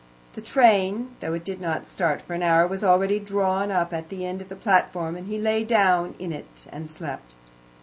The train, though it did not start for an hour, was already drawn up at the end of the platform, and he lay down in it and slept.